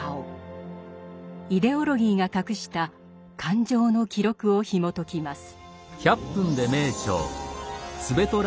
イデオロギーが隠した感情の記録をひもときます。